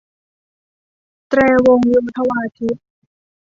แตรวงโยธวาทิต